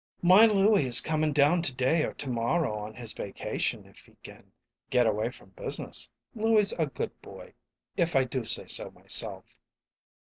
'" "My Louie is comin' down to day or to morrow on his vacation if he can get away from business. Louie's a good boy if I do say so myself."